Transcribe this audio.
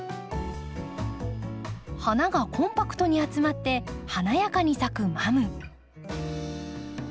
花がコンパクトに集まって華やかに咲くマム。